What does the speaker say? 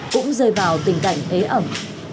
cũng rơi vào tình cảnh ế ẩm